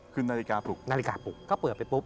คือนาฬิกาปลุกก็เปิดไปปุ๊บ